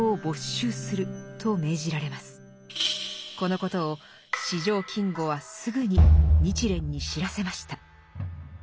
このことを四条金吾はすぐに日蓮に知らせました。